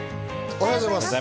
おはようございます。